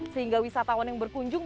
sehingga wisatawan yang berkunjung